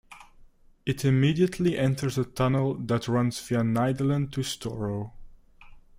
It immediately enters a tunnel that runs via Nydalen to Storo.